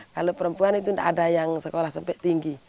kalau perempuan itu ada yang sekolah sampai tinggi